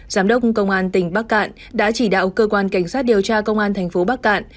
giám đốc công an tỉnh bắc cạn đã chỉ đạo cơ quan cảnh sát điều tra công an thành phố bắc cạn